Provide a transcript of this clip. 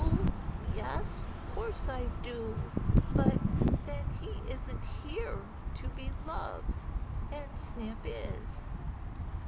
"Oh, yes, 'course I do, but then he isn't here to be loved, and Snap is."